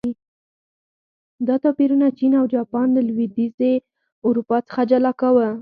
دا توپیرونه چین او جاپان له لوېدیځې اروپا څخه جلا کاوه.